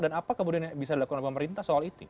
dan apa kemudian yang bisa dilakukan pemerintah soal itu